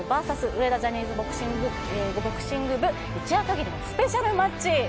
ＶＳ上田ジャニーズボクシング部、一夜限りのスペシャルマッチ。